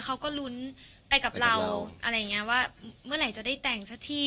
เขาก็ลุ้นไปกับเราอะไรอย่างเงี้ยว่าเมื่อไหร่จะได้แต่งสักที่